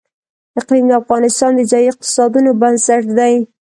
اقلیم د افغانستان د ځایي اقتصادونو بنسټ دی.